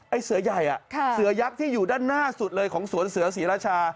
เสือใหญ่เสือยักษ์ที่อยู่ด้านหน้าสุดเลยของสวนเสือศรีราชา